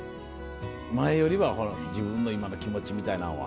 前よりは自分の今の気持ちみたいなんは？